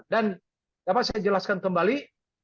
dan dapat saya jelaskan kembali